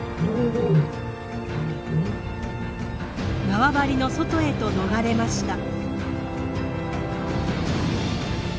縄張りの外へと逃れました。